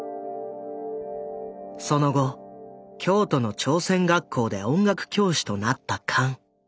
その後京都の朝鮮学校で音楽教師となったカン。